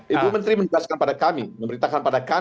ibu menteri menjelaskan pada kami memberitakan